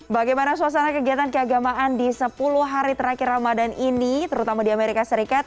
bagaimana suasana kegiatan keagamaan di sepuluh hari terakhir ramadan ini terutama di amerika serikat